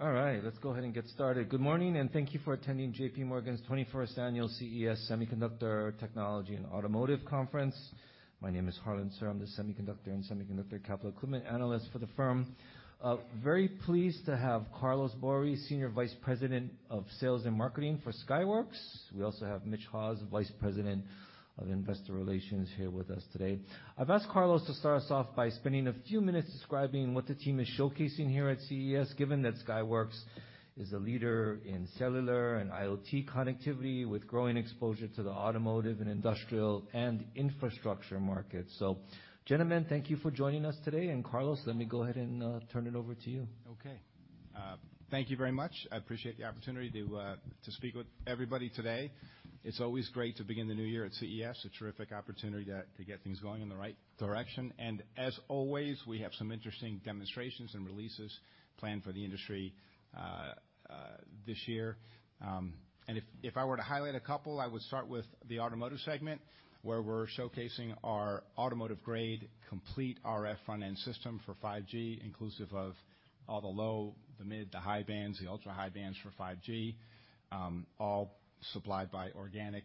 All right, let's go ahead and get started. Good morning, and thank thank you for attending JPMorgan's 21st annual CES Semiconductor Technology in Automotive Conference. My name is Harlan Sur, I'm the Semiconductor and Semiconductor Capital Equipment analyst for the firm. Very pleased to have Carlos Bori, Senior Vice President of Sales and Marketing for Skyworks. We also have Mitch Haws, Vice President of Investor Relations here with us today. I've asked Carlos to start us off by spending a few minutes describing what the team is showcasing here at CES, given that Skyworks is a leader in cellular and IoT connectivity, with growing exposure to the automotive and industrial and infrastructure market. Gentlemen, thank you for joining us today. Carlos, let me go ahead and turn it over to you. Okay. Thank you very much. I appreciate the opportunity to speak with everybody today. It's always great to begin the new year at CES, a terrific opportunity to get things going in the right direction. As always, we have some interesting demonstrations and releases planned for the industry this year. If I were to highlight a couple, I would start with the automotive segment, where we're showcasing our automotive-grade complete RF front-end system for 5G, inclusive of all the low, the mid, the high bands, the ultra-high bands for 5G, all supplied by organic,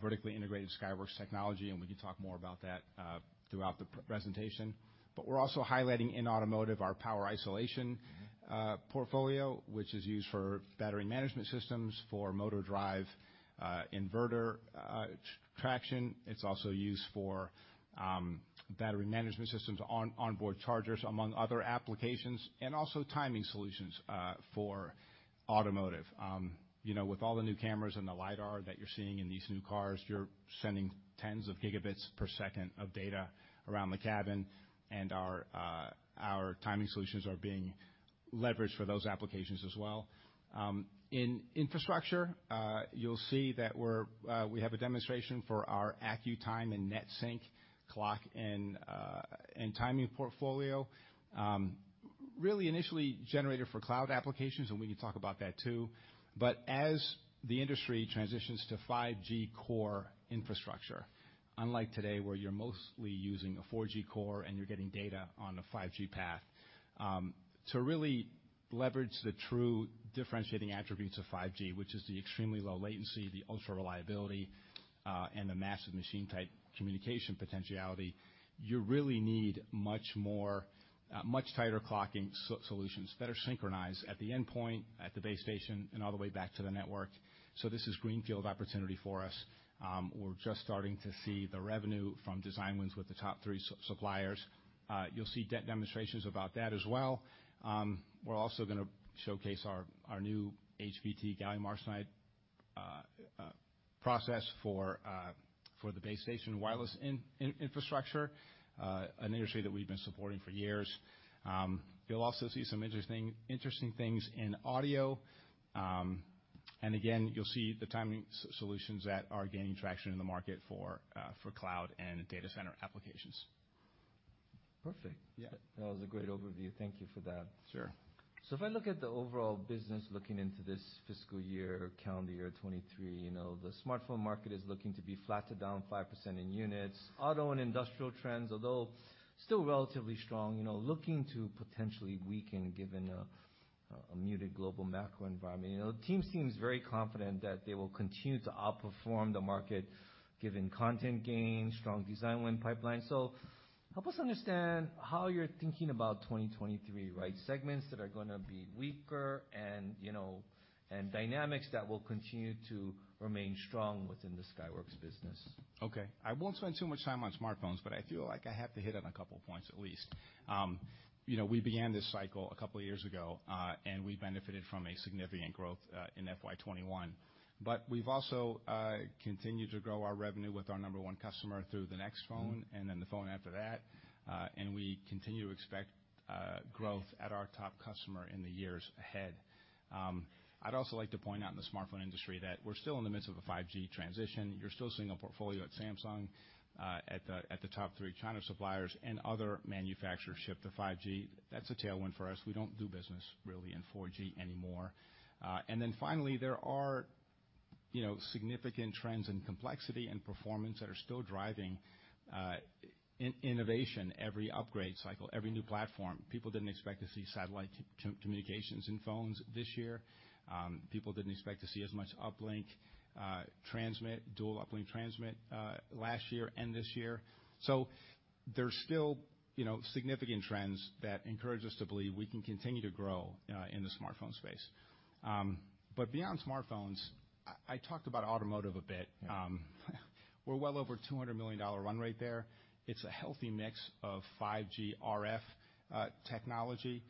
vertically integrated Skyworks technology, and we can talk more about that throughout the pre-presentation. We're also highlighting in automotive our power isolation portfolio, which is used for battery management systems, for motor drive, inverter, traction. It's also used for battery management systems on onboard chargers, among other applications, and also timing solutions for automotive. You know, with all the new cameras and the lidar that you're seeing in these new cars, you're sending tens of gigabits per second of data around the cabin, and our timing solutions are being leveraged for those applications as well. In infrastructure, you'll see that we have a demonstration for our AccuTime and NetSync clock and timing portfolio, really initially generated for cloud applications, and we can talk about that too. As the industry transitions to 5G core infrastructure, unlike today, where you're mostly using a 4G core and you're getting data on a 5G path, to really leverage the true differentiating attributes of 5G, which is the extremely low latency, the ultra-reliability, and the massive machine-type communication potentiality, you really need much more, much tighter clocking solutions that are synchronized at the endpoint, at the base station, and all the way back to the network. This is greenfield opportunity for us. We're just starting to see the revenue from design wins with the top three suppliers. You'll see demonstrations about that as well. We're also gonna showcase our new HBT gallium arsenide process for the base station wireless infrastructure, an industry that we've been supporting for years. You'll also see some interesting things in audio. Again, you'll see the timing solutions that are gaining traction in the market for cloud and data center applications. Perfect. Yeah. That was a great overview. Thank you for that. Sure. If I look at the overall business looking into this fiscal year or calendar year 2023, you know, the smartphone market is looking to be flat to down 5% in units. Auto and industrial trends, although still relatively strong, you know, looking to potentially weaken given a muted global macro environment. You know, the team seems very confident that they will continue to outperform the market given content gain, strong design win pipeline. Help us understand how you're thinking about 2023, right? Segments that are gonna be weaker and dynamics that will continue to remain strong within the Skyworks business. Okay. I won't spend too much time on smartphones, but I feel like I have to hit on a couple points at least. you know, we began this cycle a couple years ago, and we benefited from a significant growth in FY 2021. We've also continued to grow our revenue with our number one customer. Mm-hmm. The phone after that, and we continue to expect growth at our top customer in the years ahead. I'd also like to point out in the smartphone industry that we're still in the midst of a 5G transition. You're still seeing a portfolio at Samsung, at the, at the top three China suppliers and other manufacturers ship to 5G. That's a tailwind for us. We don't do business really in 4G anymore. Finally, there are, you know, significant trends in complexity and performance that are still driving innovation every upgrade cycle, every new platform. People didn't expect to see satellite communications in phones this year. People didn't expect to see as much uplink, transmit, dual uplink transmit, last year and this year. There's still, you know, significant trends that encourage us to believe we can continue to grow in the smartphone space. Beyond smartphones, I talked about automotive a bit. Yeah. We're well over $200 million run rate there. It's a healthy mix of 5G RF technology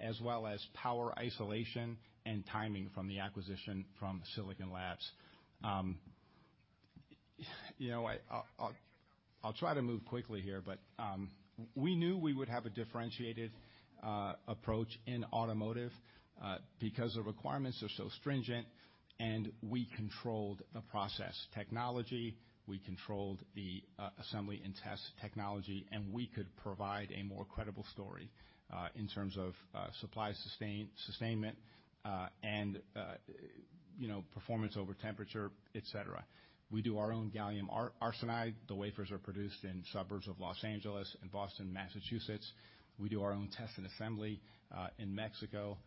as well as power isolation and timing from the acquisition from Silicon Labs. You know, I'll try to move quickly here, but we knew we would have a differentiated approach in automotive because the requirements are so stringent and we controlled the process technology, we controlled the assembly and test technology, and we could provide a more credible story in terms of supply sustainment and, you know, performance over temperature, et cetera. We do our own gallium arsenide. The wafers are produced in suburbs of Los Angeles and Boston, Massachusetts. We do our own test and assembly in Mexico.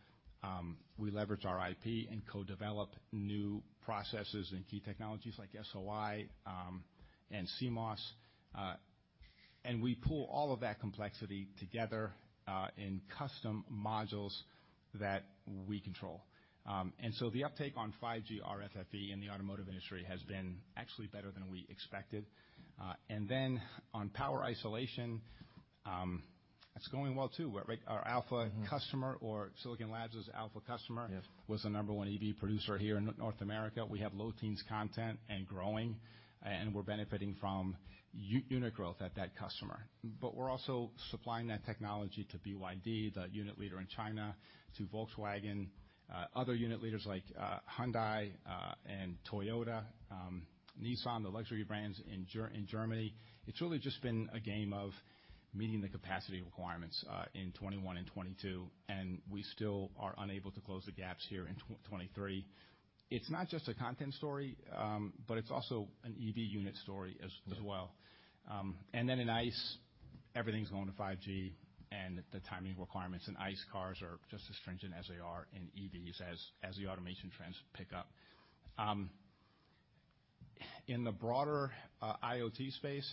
We leverage our IP and co-develop new processes and key technologies like SOI, and CMOS. We pull all of that complexity together in custom modules that we control. The uptake on 5G RFFE in the automotive industry has been actually better than we expected. On power isolation, it's going well too. Our alpha customer or Silicon Labs' alpha customer. Yes. -was the number one EV producer here in North America. We have low teens content and growing, we're benefiting from unit growth at that customer. We're also supplying that technology to BYD, the unit leader in China, to Volkswagen, other unit leaders like Hyundai, and Toyota, Nissan, the luxury brands in Germany. It's really just been a game of meeting the capacity requirements in 2021 and 2022, and we still are unable to close the gaps here in 2023. It's not just a content story, but it's also an EV unit story as well. Then in ICE, everything's going to 5G, and the timing requirements in ICE cars are just as stringent as they are in EVs as the automation trends pick up. In the broader IoT space,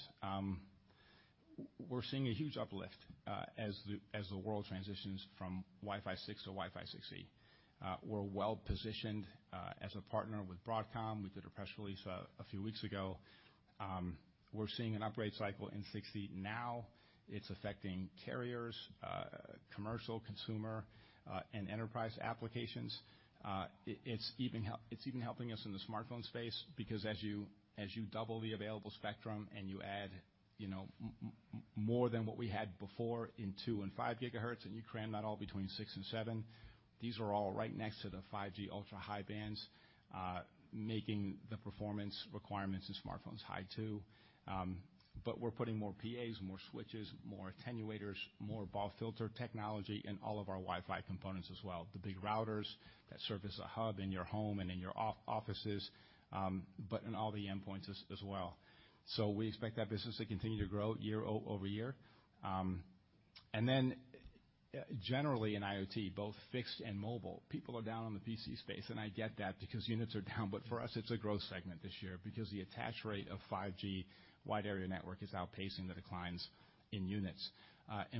we're seeing a huge uplift as the world transitions from Wi-Fi 6 to Wi-Fi 6E. We're well positioned as a partner with Broadcom. We did a press release a few weeks ago. We're seeing an upgrade cycle in 6E now. It's affecting carriers, commercial, consumer, and enterprise applications. It's even helping us in the smartphone space because as you double the available spectrum and you add, you know, more than what we had before in 2 and 5 gigahertz, and you cram that all between 6 and 7, these are all right next to the 5G ultra-high bands, making the performance requirements in smartphones high too. But we're putting more PAs, more switches, more attenuators, more BAW filter technology in all of our Wi-Fi components as well. The big routers that serve as a hub in your home and in your offices, but in all the endpoints as well. We expect that business to continue to grow year-over-year. Generally in IoT, both fixed and mobile, people are down on the PC space, and I get that because units are down. For us, it's a growth segment this year because the attach rate of 5G wide area network is outpacing the declines in units.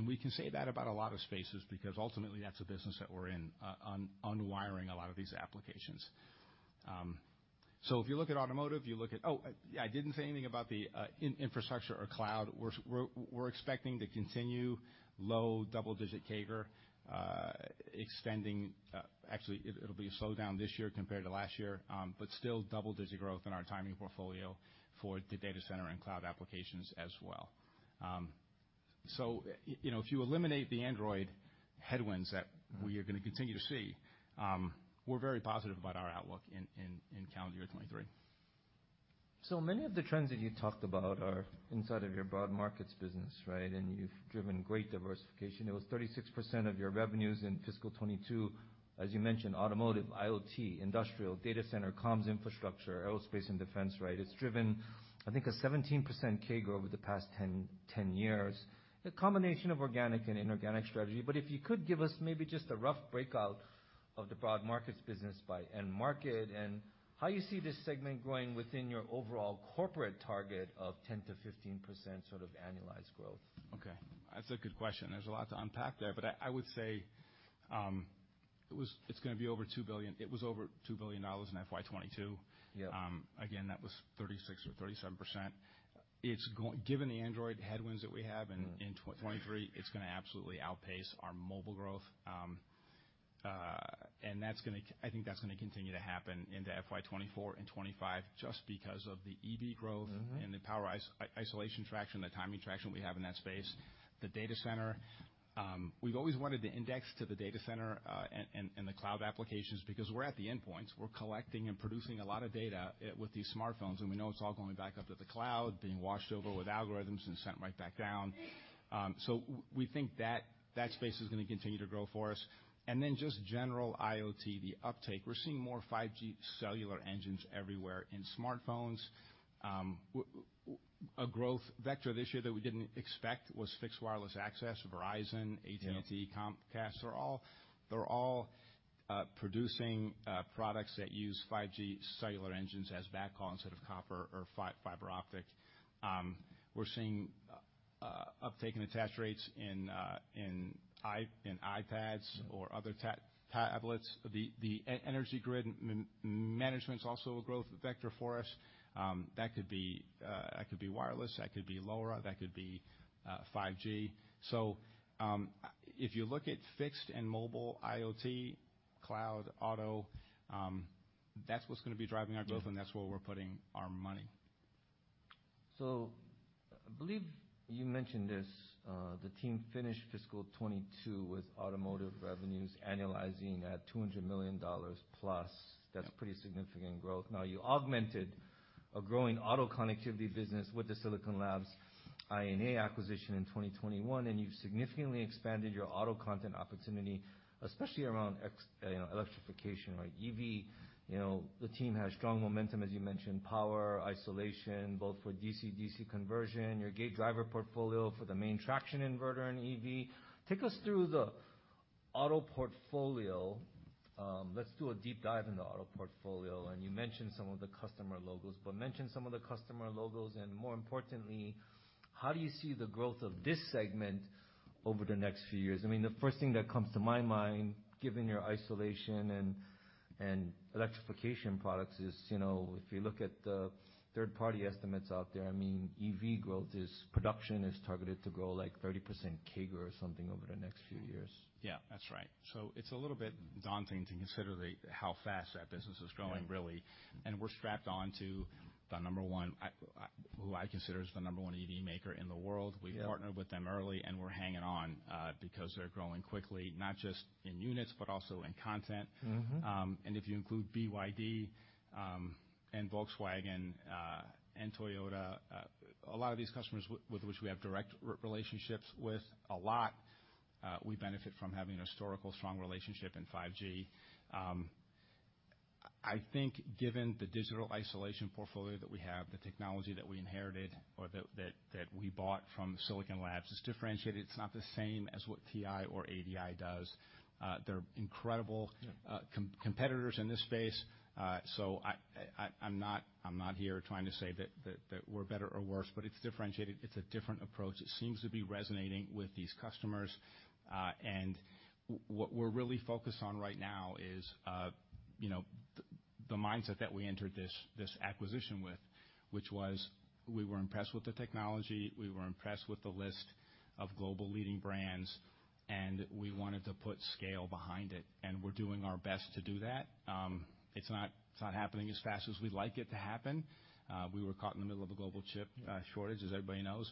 We can say that about a lot of spaces because ultimately that's the business that we're in, unwiring a lot of these applications. If you look at automotive, you look at... I didn't say anything about the infrastructure or cloud. We're expecting to continue low double-digit CAGR, extending, actually it'll be a slowdown this year compared to last year, but still double-digit growth in our timing portfolio for the data center and cloud applications as well. You know, if you eliminate the Android headwinds that we are gonna continue to see, we're very positive about our outlook in calendar year 2023. Many of the trends that you talked about are inside of your broad markets business, right? You've driven great diversification. It was 36% of your revenues in fiscal 2022. As you mentioned, automotive, IoT, industrial, data center, comms infrastructure, aerospace and defense, right? It's driven, I think, a 17% CAGR over the past 10 years. A combination of organic and inorganic strategy. If you could give us maybe just a rough breakout of the broad markets business by end market and how you see this segment growing within your overall corporate target of 10%-15% sort of annualized growth. Okay. That's a good question. There's a lot to unpack there. I would say, it's gonna be over $2 billion. It was over $2 billion in FY 2022. Yeah. Again, that was 36% or 37%. Given the Android headwinds that we have in 2023, it's gonna absolutely outpace our mobile growth. I think that's gonna continue to happen into FY 2024 and 2025 just because of the EV growth. Mm-hmm. and the power isolation traction, the timing traction we have in that space. The data center, we've always wanted to index to the data center, and the cloud applications because we're at the endpoints. We're collecting and producing a lot of data with these smartphones, and we know it's all going back up to the cloud, being washed over with algorithms and sent right back down. So we think that space is gonna continue to grow for us. Just general IoT, the uptake. We're seeing more 5G cellular engines everywhere in smartphones. A growth vector this year that we didn't expect was Fixed Wireless Access. Verizon- Yeah. AT&T, Comcast, they're all producing products that use 5G cellular engines as backhaul instead of copper or fiber optic. We're seeing uptake in attach rates in iPads or other tablets. The energy grid management's also a growth vector for us. That could be wireless, that could be LoRa, that could be 5G. If you look at fixed and mobile IoT, cloud, auto, that's what's gonna be driving our growth, and that's where we're putting our money. I believe you mentioned this, the team finished fiscal 2022 with automotive revenues annualizing at $200 million plus. Yeah. That's pretty significant growth. You augmented a growing auto connectivity business with the Silicon Labs I&A acquisition in 2021, and you've significantly expanded your auto content opportunity, especially around you know, electrification, right? EV, you know, the team has strong momentum, as you mentioned, power isolation, both for DC-DC conversion, your gate driver portfolio for the main traction inverter in EV. Take us through the auto portfolio, let's do a deep dive in the auto portfolio. You mentioned some of the customer logos, but mention some of the customer logos. More importantly, how do you see the growth of this segment over the next few years? I mean, the first thing that comes to my mind, given your isolation and electrification products is, you know, if you look at the third-party estimates out there, I mean, EV growth is production is targeted to grow like 30% CAGR or something over the next few years. Yeah, that's right. It's a little bit daunting to consider how fast that business is growing, really. Yeah. we're strapped on to the number one who I consider is the number one EV maker in the world. Yeah. We partnered with them early, and we're hanging on, because they're growing quickly, not just in units, but also in content. Mm-hmm. If you include BYD, and Volkswagen, and Toyota, a lot of these customers with which we have direct relationships with a lot, we benefit from having a historical strong relationship in 5G. I think given the digital isolation portfolio that we have, the technology that we inherited or that we bought from Silicon Labs is differentiated. It's not the same as what TI or ADI does. They're incredible- Yeah. Competitors in this space. I'm not here trying to say that we're better or worse, but it's differentiated. It's a different approach. It seems to be resonating with these customers. What we're really focused on right now is, you know, the mindset that we entered this acquisition with, which was we were impressed with the technology, we were impressed with the list of global leading brands, and we wanted to put scale behind it, and we're doing our best to do that. It's not happening as fast as we'd like it to happen. We were caught in the middle of a global chip shortage, as everybody knows.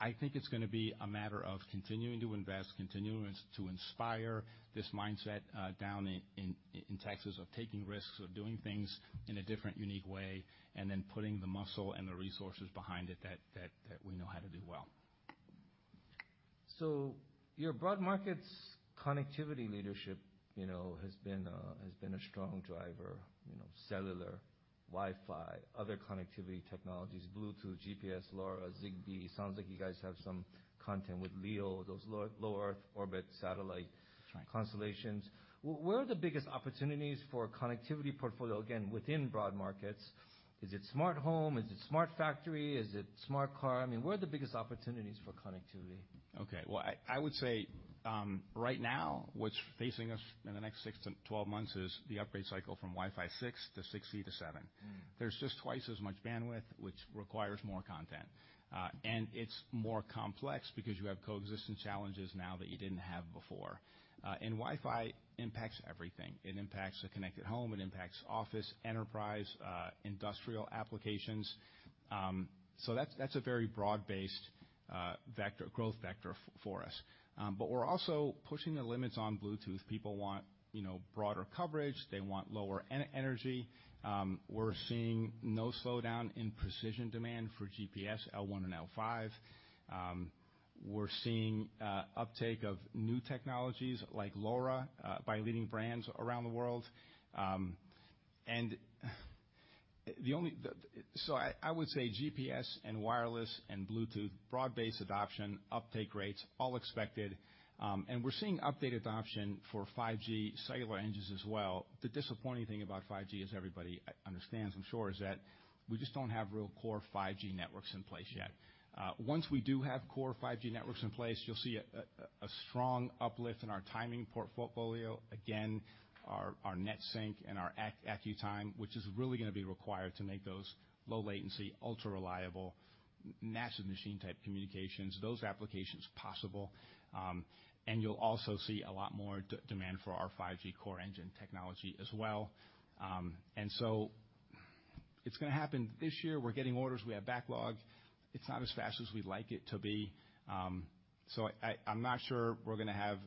I think it's gonna be a matter of continuing to invest, continuing to inspire this mindset, down in Texas, of taking risks, of doing things in a different, unique way, and then putting the muscle and the resources behind it that we know how to do well. Your broad markets connectivity leadership, you know, has been a strong driver, you know, cellular, Wi-Fi, other connectivity technologies, Bluetooth, GPS, LoRa, Zigbee. Sounds like you guys have some content with LEO, those Low Earth orbit satellite- That's right. constellations. Where are the biggest opportunities for connectivity portfolio, again, within broad markets? Is it smart home? Is it smart factory? Is it smart car? I mean, where are the biggest opportunities for connectivity? Okay. Well, I would say, right now, what's facing us in the next six to 12 months is the upgrade cycle from Wi-Fi 6 to Wi-Fi 6E to Wi-Fi 7. Mm. There's just twice as much bandwidth, which requires more content. It's more complex because you have coexistence challenges now that you didn't have before. Wi-Fi impacts everything. It impacts the connected home, it impacts office, enterprise, industrial applications. That's, that's a very broad-based vector, growth vector for us. We're also pushing the limits on Bluetooth. People want, you know, broader coverage. They want lower energy. We're seeing no slowdown in precision demand for GPS L1 and L5. We're seeing uptake of new technologies like LoRa by leading brands around the world. The only... I would say GPS and wireless and Bluetooth, broad-based adoption, uptake rates, all expected. We're seeing updated adoption for 5G cellular engines as well. The disappointing thing about 5G, as everybody understands, I'm sure, is that we just don't have real core 5G networks in place yet. Once we do have core 5G networks in place, you'll see a strong uplift in our timing portfolio. Again, our NetSync and our AccuTime, which is really gonna be required to make those low latency, ultra-reliable, massive machine type communications, those applications possible. You'll also see a lot more demand for our 5G core engine technology as well. It's gonna happen this year. We're getting orders. We have backlog. It's not as fast as we'd like it to be. I'm not sure we're gonna have.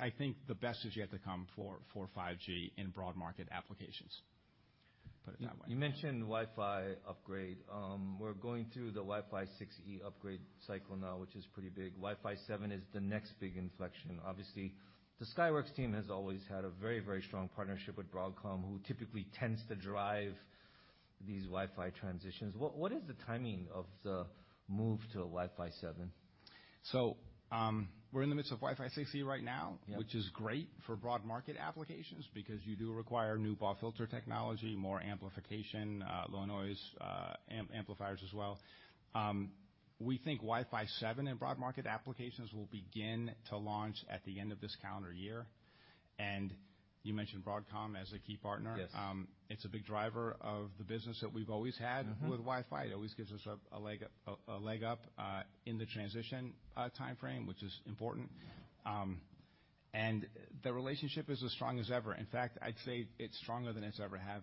I think the best is yet to come for 5G in broad market applications. Put it that way. You mentioned Wi-Fi upgrade. We're going through the Wi-Fi 6E upgrade cycle now, which is pretty big. Wi-Fi 7 is the next big inflection. Obviously, the Skyworks team has always had a very, very strong partnership with Broadcom, who typically tends to drive these Wi-Fi transitions. What is the timing of the move to Wi-Fi 7? We're in the midst of Wi-Fi 6E right now. Yeah. which is great for broad market applications because you do require new BAW filter technology, more amplification, low noise amplifiers as well. We think Wi-Fi 7 in broad market applications will begin to launch at the end of this calendar year. You mentioned Broadcom as a key partner. Yes. It's a big driver of the business that we've always had. Mm-hmm. -with Wi-Fi. It always gives us a leg up in the transition timeframe, which is important. The relationship is as strong as ever. In fact, I'd say it's stronger than it's ever has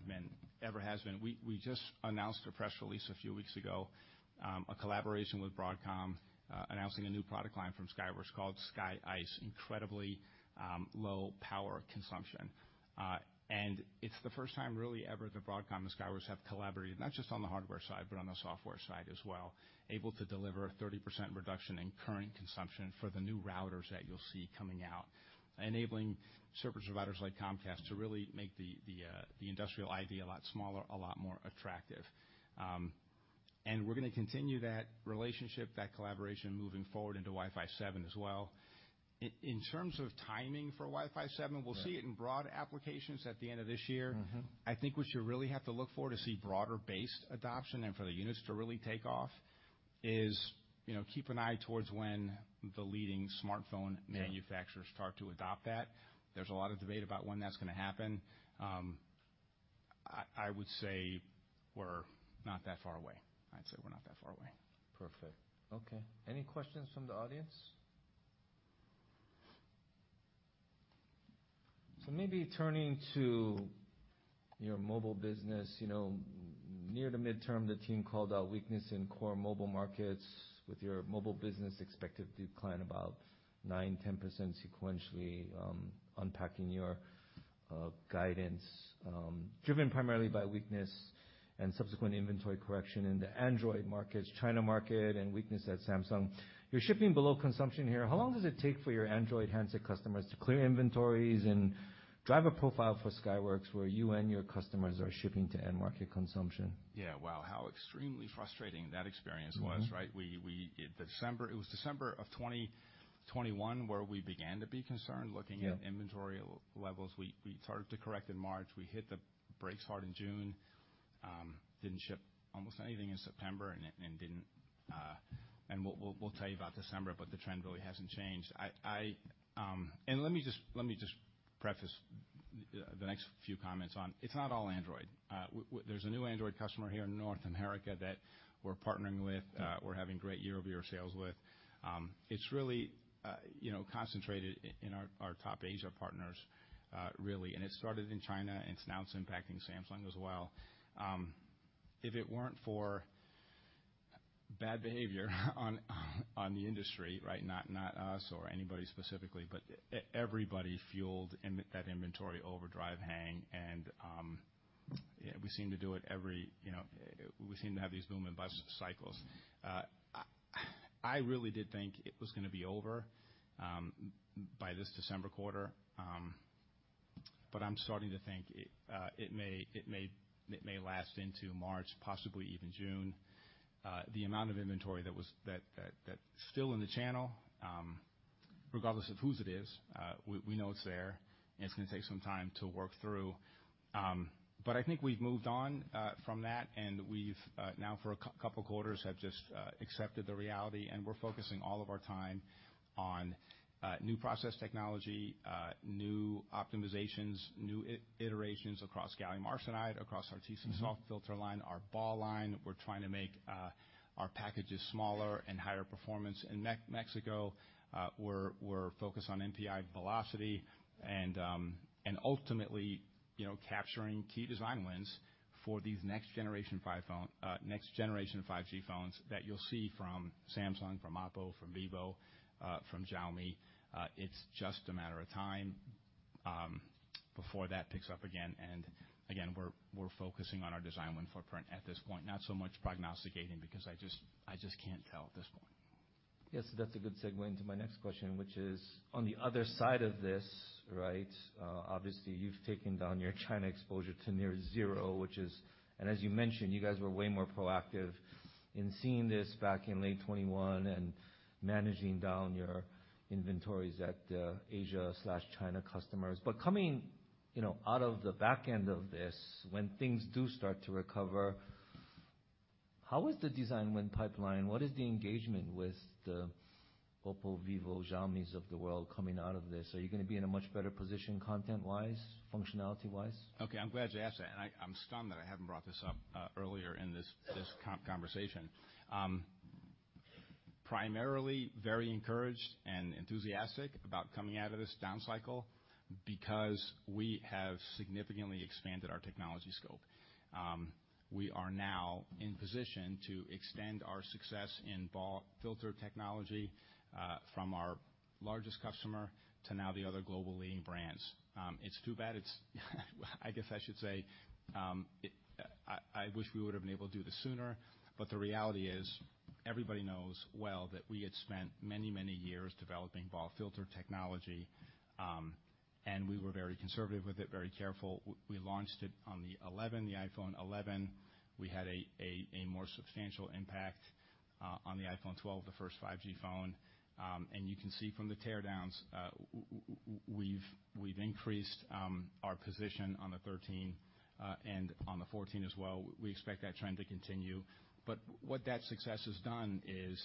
been. We just announced a press release a few weeks ago, a collaboration with Broadcom announcing a new product line from Skyworks called Sky-IQ. Incredibly low power consumption. It's the first time really ever that Broadcom and Skyworks have collaborated, not just on the hardware side, but on the software side as well, able to deliver a 30% reduction in current consumption for the new routers that you'll see coming out, enabling service providers like Comcast to really make the industrial ID a lot smaller, a lot more attractive. We're gonna continue that relationship, that collaboration moving forward into Wi-Fi 7 as well. In terms of timing for Wi-Fi 7. Right. We'll see it in broad applications at the end of this year. Mm-hmm. I think what you really have to look for to see broader-based adoption and for the units to really take off is, you know, keep an eye towards when the leading smartphone manufacturers. Yeah. start to adopt that. There's a lot of debate about when that's gonna happen. I would say we're not that far away. I'd say we're not that far away. Perfect. Okay. Any questions from the audience? Maybe turning to your mobile business. You know, near the midterm, the team called out weakness in core mobile markets with your mobile business expected decline about 9%-10% sequentially, unpacking your guidance, driven primarily by weakness and subsequent inventory correction in the Android markets, China market, and weakness at Samsung. You're shipping below consumption here. How long does it take for your Android handset customers to clear inventories and drive a profile for Skyworks, where you and your customers are shipping to end market consumption? Yeah. Wow, how extremely frustrating that experience was, right? Mm-hmm. We, it was December of 2021 where we began to be concerned looking at. Yeah. inventory levels. We started to correct in March. We hit the brakes hard in June. Didn't ship almost anything in September and didn't. We'll tell you about December, but the trend really hasn't changed. I. Let me just preface the next few comments on. It's not all Android. There's a new Android customer here in North America that we're partnering with. Mm-hmm. We're having great year-over-year sales with. It's really, you know, concentrated in our top Asia partners, really, and it started in China, and it's now impacting Samsung as well. If it weren't for bad behavior on the industry, right? Not us or anybody specifically, but everybody fueled in that inventory overdrive hang, and we seem to do it every, you know, we seem to have these boom and bust cycles. I really did think it was gonna be over by this December quarter, but I'm starting to think it may last into March, possibly even June. The amount of inventory that's still in the channel, regardless of whose it is, we know it's there, and it's gonna take some time to work through. I think we've moved on from that, and we've now for a couple quarters have just accepted the reality, and we're focusing all of our time on new process technology, new optimizations, new iterations across gallium arsenide, across our TC-SAW filter line, our BAW line. We're trying to make our packages smaller and higher performance. In Mexico, we're focused on NPI velocity and ultimately, you know, capturing key design wins for these next generation five phone, next generation 5G phones that you'll see from Samsung, from Oppo, from Vivo, from Xiaomi. It's just a matter of time before that picks up again, and again, we're focusing on our design win footprint at this point, not so much prognosticating, because I just can't tell at this point. Yes. That's a good segue into my next question, which is on the other side of this, right? Obviously you've taken down your China exposure to near zero, which is... As you mentioned, you guys were way more proactive in seeing this back in late 21 and managing down your inventories at Asia/China customers. Coming, you know, out of the back end of this, when things do start to recover, how is the design win pipeline? What is the engagement with the Oppo, Vivo, Xiaomis of the world coming out of this? Are you gonna be in a much better position content-wise, functionality-wise? I'm glad you asked that, I'm stunned that I haven't brought this up earlier in this conversation. Primarily very encouraged and enthusiastic about coming out of this down cycle because we have significantly expanded our technology scope. We are now in position to extend our success in BAW filter technology from our largest customer to now the other global leading brands. It's too bad. I guess I should say, I wish we would've been able to do this sooner, the reality is everybody knows well that we had spent many, many years developing BAW filter technology, and we were very conservative with it, very careful. We launched it on the 11, the iPhone 11. We had a more substantial impact on the iPhone 12, the first 5G phone. And you can see from the teardowns, we've increased our position on the iPhone 13 and on the iPhone 14 as well. We expect that trend to continue. What that success has done is,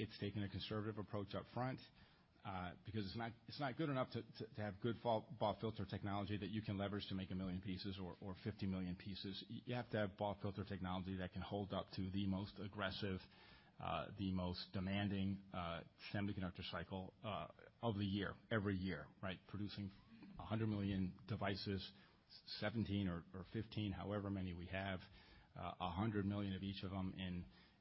it's taken a conservative approach up front, because it's not good enough to have good SAW, BAW filter technology that you can leverage to make 1 million pieces or 50 million pieces. You have to have BAW filter technology that can hold up to the most aggressive, the most demanding, semiconductor cycle of the year-every-year, right. Producing 100 million devices, 17 or 15, however many we have, 100 million of each of them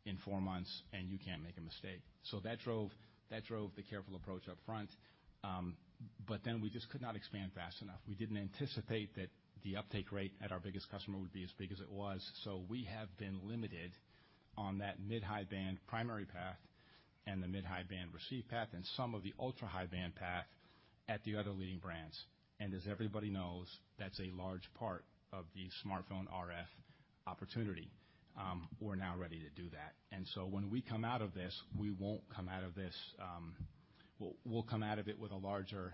in four months, and you can't make a mistake. That drove the careful approach up front. We just could not expand fast enough. We didn't anticipate that the uptake rate at our biggest customer would be as big as it was. We have been limited on that mid-high band primary path. The mid-high band receive path and some of the ultra-high band path at the other leading brands. As everybody knows, that's a large part of the smartphone RF opportunity. We're now ready to do that. When we come out of this, we won't come out of this. We'll come out of it with a larger,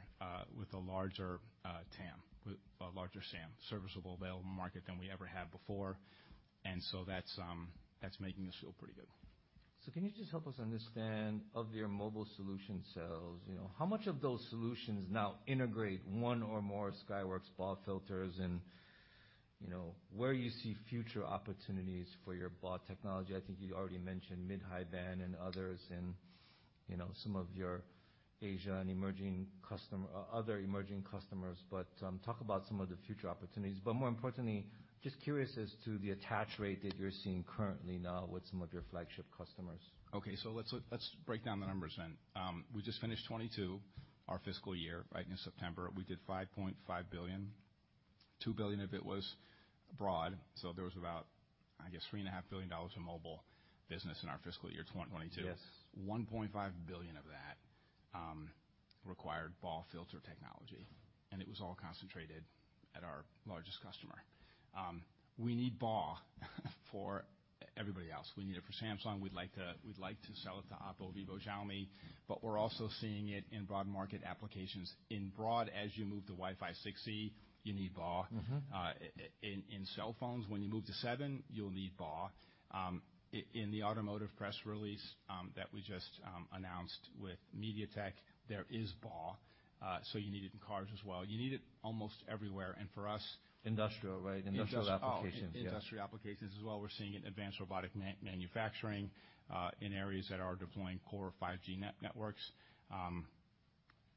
with a larger TAM, with a larger SAM, serviceable available market than we ever have before, that's making us feel pretty good. Can you just help us understand of your mobile solution sales, you know, how much of those solutions now integrate one or more Skyworks BAW filters and, you know, where you see future opportunities for your BAW technology? I think you already mentioned mid, high band and others and, you know, some of your Asia and other emerging customers, but talk about some of the future opportunities. More importantly, just curious as to the attach rate that you're seeing currently now with some of your flagship customers. Okay. let's break down the numbers then. We just finished 2022, our fiscal year, right, in September. We did $5.5 billion. $2 billion of it was broad, there was about, I guess, three and a half billion dollars of mobile business in our fiscal year 2022. Yes. $1.5 billion of that required BAW filter technology, and it was all concentrated at our largest customer. We need BAW for everybody else. We need it for Samsung. We'd like to sell it to Oppo, Vivo, Xiaomi, but we're also seeing it in broad market applications. As you move to Wi-Fi 6E, you need BAW. Mm-hmm. In cell phones, when you move to seven, you'll need BAW. In the automotive press release, that we just announced with MediaTek, there is BAW. You need it in cars as well. You need it almost everywhere and for us- Industrial, right. Industr- Industrial applications. Oh. Yeah. Industry applications as well. We're seeing it in advanced robotic manufacturing, in areas that are deploying core 5G networks.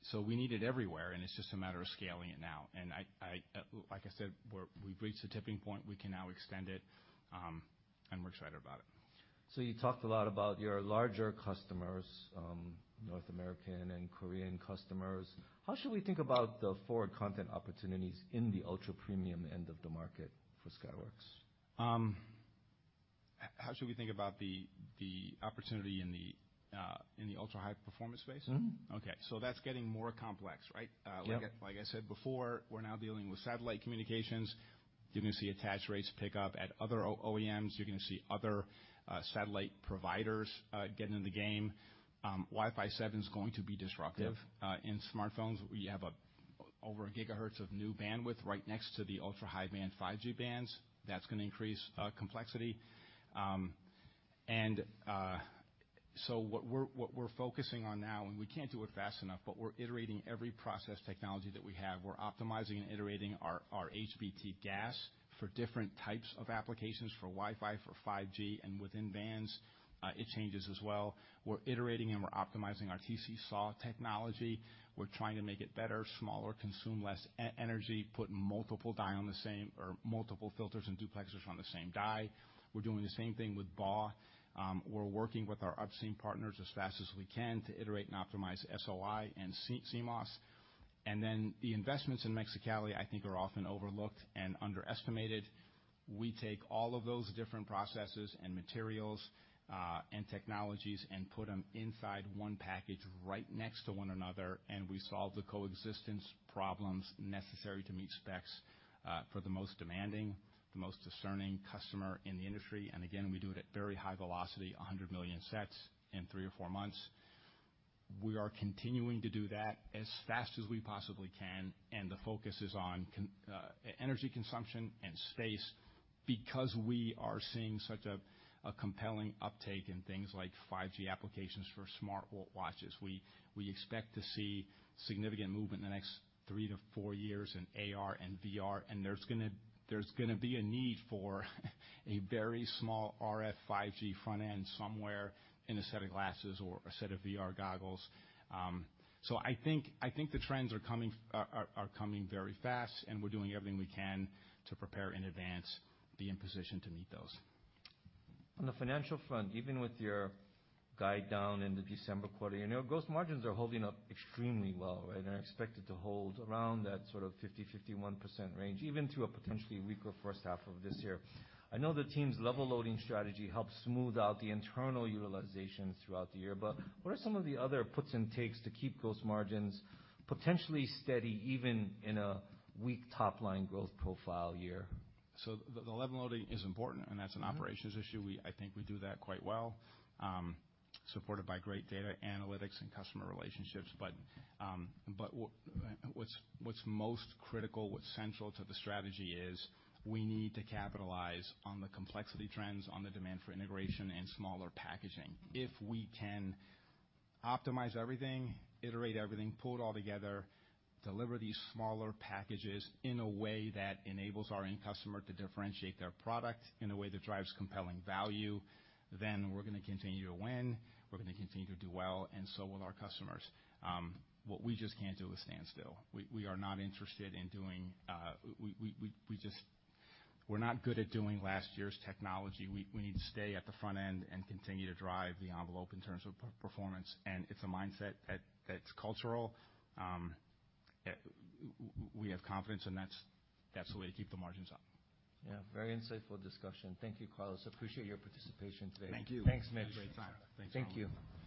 So we need it everywhere, and it's just a matter of scaling it now. I, like I said, we've reached the tipping point, we can now extend it, and we're excited about it. You talked a lot about your larger customers, North American and Korean customers. How should we think about the forward content opportunities in the ultra-premium end of the market for Skyworks? How should we think about the opportunity in the ultra-high performance space? Mm-hmm. Okay. That's getting more complex, right? Yeah. Like I said before, we're now dealing with satellite communications. You're gonna see attach rates pick up at other OEMs. You're gonna see other satellite providers get in the game. Wi-Fi 7 is going to be disruptive. Yeah ...in smartphones. We have over 1 gigahertz of new bandwidth right next to the ultra-high band 5G bands. That's gonna increase complexity. What we're focusing on now, and we can't do it fast enough, but we're iterating every process technology that we have. We're optimizing and iterating our HBT GaAs for different types of applications, for Wi-Fi, for 5G, and within bands, it changes as well. We're iterating and we're optimizing our TC-SAW technology. We're trying to make it better, smaller, consume less energy, put multiple filters and duplexers on the same die. We're doing the same thing with BAW. We're working with our upstream partners as fast as we can to iterate and optimize SOI and CMOS. The investments in Mexicali I think are often overlooked and underestimated. We take all of those different processes and materials, and technologies and put them inside one package right next to one another, and we solve the coexistence problems necessary to meet specs for the most demanding, the most discerning customer in the industry. Again, we do it at very high velocity, 100 million sets in 3 or 4 months. We are continuing to do that as fast as we possibly can, and the focus is on energy consumption and space because we are seeing such a compelling uptake in things like 5G applications for smartwatches. We expect to see significant movement in the next three to four years in AR and VR, and there's gonna be a need for a very small RF 5G front end somewhere in a set of glasses or a set of VR goggles. I think the trends are coming very fast, and we're doing everything we can to prepare in advance, be in position to meet those. On the financial front, even with your guide down in the December quarter, you know, gross margins are holding up extremely well, right? Are expected to hold around that sort of 50%, 51% range, even through a potentially weaker first half of this year. I know the team's level loading strategy helps smooth out the internal utilization throughout the year, what are some of the other puts and takes to keep gross margins potentially steady, even in a weak top-line growth profile year? The, the level loading is important, and that's an operations issue. I think we do that quite well, supported by great data analytics and customer relationships. But what's, what's most critical, what's central to the strategy is we need to capitalize on the complexity trends, on the demand for integration and smaller packaging. If we can optimize everything, iterate everything, pull it all together, deliver these smaller packages in a way that enables our end customer to differentiate their product, in a way that drives compelling value, then we're gonna continue to win, we're gonna continue to do well, and so will our customers. What we just can't do is stand still. We are not interested in doing. We're not good at doing last year's technology. We need to stay at the front end and continue to drive the envelope in terms of per-performance. It's a mindset that's cultural. We have confidence, and that's the way to keep the margins up. Yeah. Very insightful discussion. Thank you, Carlos. Appreciate your participation today. Thank you. Thanks, Mitch. Had a great time. Thanks, everyone. Thank you. Thanks.